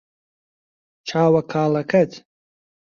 چاوە کاڵەکەت